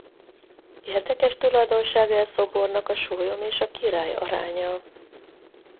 Érdekes tulajdonsága e szobornak a sólyom és a király aránya.